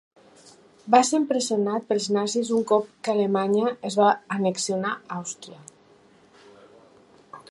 Va ser empresonat pels nazis un cop que Alemanya es va annexionar Àustria.